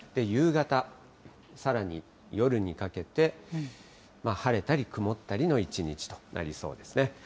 夕方、さらに夜にかけて、晴れたり曇ったりの一日となりそうですね。